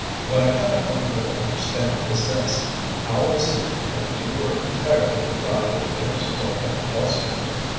What I cannot altogether understand is this: How was it that you were entirely deprived of their support at Hellesfield.